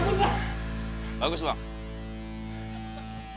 namanya nggak wise dirty as well